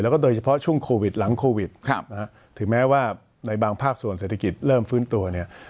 ถึงแม้ว่าในบางภาพส่วนเศรษฐกิจเริ่มฟื้นตัวเนี่ย